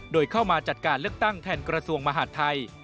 โดยเข้ามาจัดการเลือกตั้งแทนกระทรวงมหาดไทย